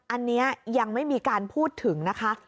อันนี้ยังไม่มีการพูดถึงนะคะ